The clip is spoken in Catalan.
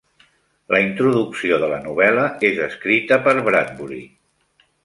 La introducció de la novel·la és escrita per Bradbury.